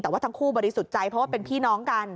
แต่ว่าทั้งคู่บริสุทธิ์ใจเพราะว่าเป็นพี่น้องกัน